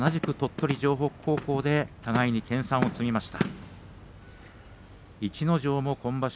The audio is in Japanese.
そして同じく鳥取城北高校で互いに研さんを積みました。